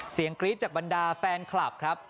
เสียงกรี๊ดจากบรรดาแฟนคลาด